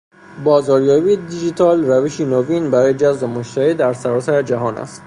بازاریابی دیجیتال روشی نوین برای جذب مشتری در سراسر جهان است.